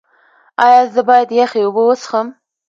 ایا زه باید یخې اوبه وڅښم؟